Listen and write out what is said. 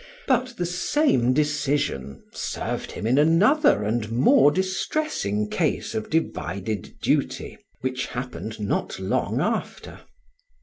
But the same decision served him in another and more distressing case of divided duty, which happened not long after.